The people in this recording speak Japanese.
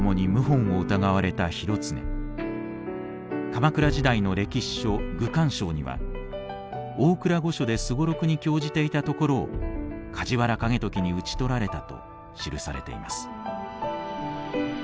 鎌倉時代の歴史書「愚管抄」には大倉御所で双六に興じていたところを梶原景時に討ち取られたと記されています。